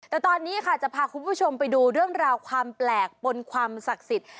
แต่ตอนนี้ค่ะจะพาคุณผู้ชมไปดูเรื่องราวความแปลกปนความศักดิ์สิทธิ์